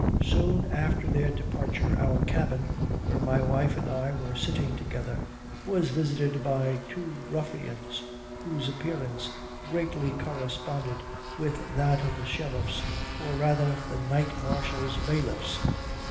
Soon after their departure our cabin, where my wife and I were sitting together, was visited by two ruffians, whose appearance greatly corresponded with that of the sheriffs, or rather the knight marshal's bailiffs.